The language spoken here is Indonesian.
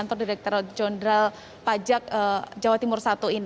karena masyarakat sudah mulai melakukan pelaporan spt pajak di jawa timur